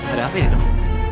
ada apa ya dong